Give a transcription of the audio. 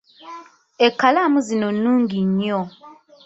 Ekkalaamu zino nnungi nnyo.